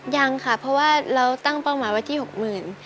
ยังค่ะเพราะว่าเราตั้งเป้าหมายว่าที่หกหมื่น